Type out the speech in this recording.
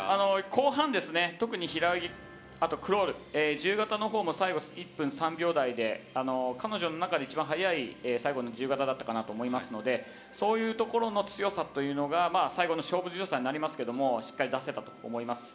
後半、特に平泳ぎあとクロール、自由形の方も最後、１分３秒台で彼女の中で一番速い最後の自由形だったかなと思いますのでそういうところの強さというのが最後の勝負強さになりますがしっかり出せたと思います。